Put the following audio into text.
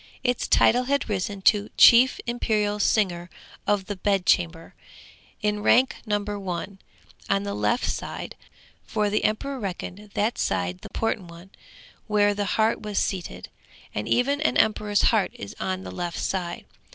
Its title had risen to be 'Chief Imperial Singer of the Bed Chamber,' in rank number one, on the left side; for the emperor reckoned that side the important one, where the heart was seated. And even an emperor's heart is on the left side.